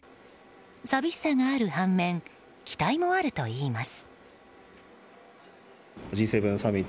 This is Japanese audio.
寂しさがある反面期待もあるといいます。